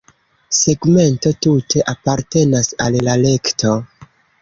Segmento tute apartenas al la rekto.